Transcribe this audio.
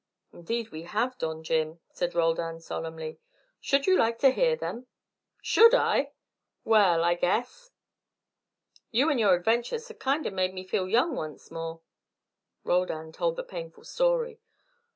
"Indeed we have, Don Jim," said Roldan, solemnly. "Should you like to hear them?" "Should I? Well, I guess. You and your adventures have kinder made me feel young once more." Roldan told the painful story.